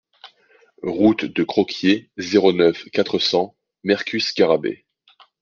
Route de Croquié, zéro neuf, quatre cents Mercus-Garrabet